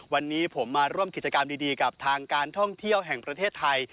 วันนี้ผมมาร่วมกิจกรรมดีกับทางการท่องเที่ยวแห่งประเทศไทย